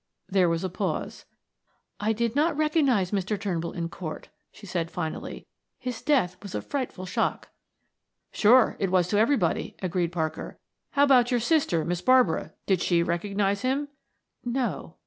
There was a pause. "I did not recognize Mr. Turnbull in court," she stated finally. "His death was a frightful shock." "Sure. It was to everybody," agreed Parker. "How about your sister, Miss Barbara; did she recognize him?" "No."